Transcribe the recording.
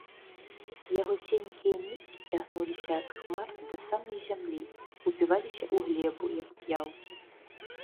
Яго ценькія ніткі цягнуліся ад хмар да самай зямлі, упіваліся ў глебу, як п'яўкі.